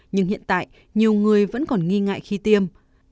nhưng hiện tại nhiều người vẫn còn nghi ngại khi tiêm